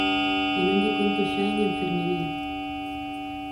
E non lle conto xa en enfermería.